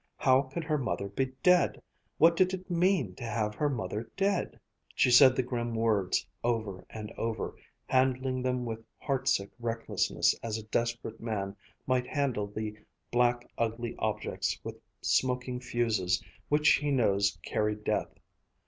How could her mother be dead? What did it mean to have her mother dead? She said the grim words over and over, handling them with heartsick recklessness as a desperate man might handle the black, ugly objects with smoking fuses which he knows carry death.